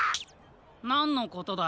なんのことだよ？